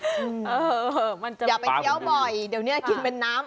อื้อมันจะไปอย่าไปเคี้ยวบ่อยเดี๋ยวเนี่ยกินเป็นน้ำเอา